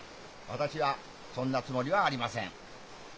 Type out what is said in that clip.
私はそんなつもりはありません。